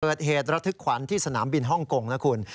เกิดเหตุระทึกขวัญที่สนามบินฮ่องกงนะคุณ